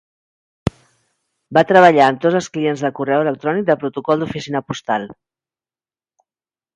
Va treballar amb tots els clients de correu electrònic de Protocol d'Oficina Postal.